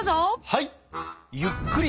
はい。